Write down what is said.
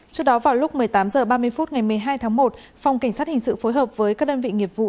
trước đó vào lúc một mươi tám h ba mươi phút ngày một mươi hai tháng một phòng cảnh sát hình sự phối hợp với các đơn vị nghiệp vụ